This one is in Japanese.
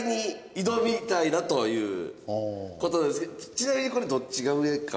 ちなみにこれどっちが上か。